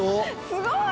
すごい！